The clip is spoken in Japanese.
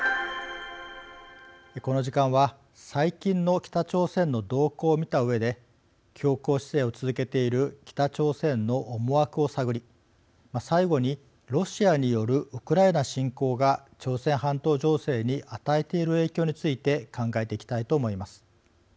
この時間は、最近の北朝鮮の動向を見たうえで強硬姿勢を続けている北朝鮮の思惑を探り最後に、ロシアによるウクライナ侵攻が朝鮮半島情勢に与えている影響について考えていきたいと思います。